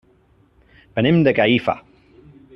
Venim de Gallifa.